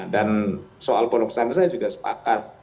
dan soal ponoksantren saya juga sepakat